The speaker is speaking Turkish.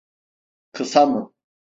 Kısa mı?